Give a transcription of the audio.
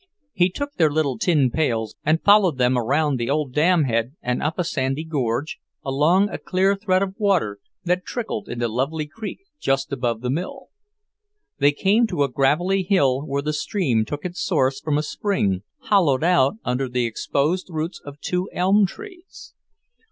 He took their little tin pails and followed them around the old dam head and up a sandy gorge, along a clear thread of water that trickled into Lovely Creek just above the mill. They came to the gravelly hill where the stream took its source from a spring hollowed out under the exposed roots of two elm trees.